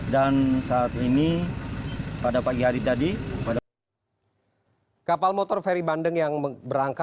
dan saat ini pada pagi hari ini kita menemukan empat puluh lima orang